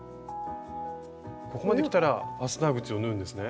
ここまできたらファスナー口を縫うんですね。